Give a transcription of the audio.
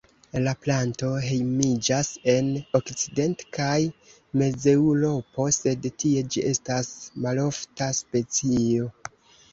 La planto hejmiĝas en Okcident- kaj Mezeŭropo, sed tie ĝi estas malofta specio.